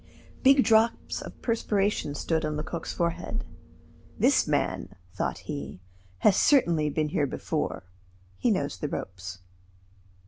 Big drops of perspiration stood on Lecoq's forehead. "This man," thought he, "has certainly been here before; he knows the ropes."